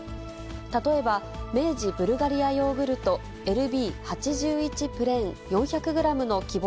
例えば、明治ブルガリアヨーグルトＬＢ８１プレーン４００グラムの希望